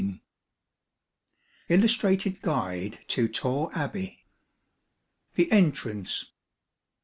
ILLUSTRATED GUIDE TO TORRE ABBEY. The Entrance.